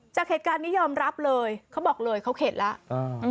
จากเหตุการณ์นี้ยอมรับเลยเขาบอกเลยเขาเข็ดแล้ว